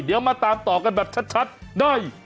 เดี๋ยวมาตามต่อกันแบบชัดได้